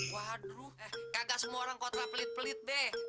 waduh kagak semua orang kota pelit pelit be